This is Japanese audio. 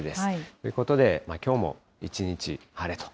ということで、きょうも一日晴れと。